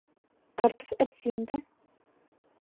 Картуф әрсейем дә...